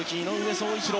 宗一郎。